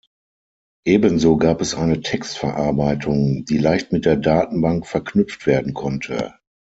Ebenso gab es eine Textverarbeitung, die leicht mit der Datenbank verknüpft werden konnte.